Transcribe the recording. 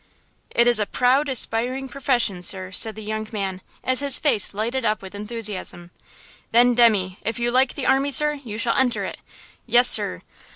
"It is a proud, aspiring profession, sir," said the young man, as his face lighted up with enthusiasm. "Then, demmy, if you like the army, sir, you shall enter it! Yes, sir!